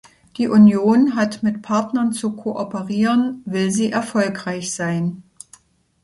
Die Union hat mit Partnern zu kooperieren, will sie erfolgreich sein.